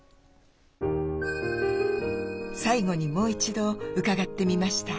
最後にもう一度伺ってみました。